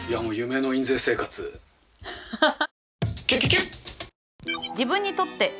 ハハハ！